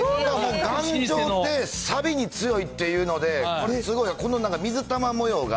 頑丈でさびに強いっていうので、すごい、なんか水玉模様が。